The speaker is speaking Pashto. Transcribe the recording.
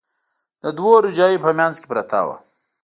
د دوو روجاییو په منځ کې پرته وه.